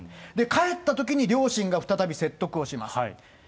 帰ったときに、両親が再び説得をします。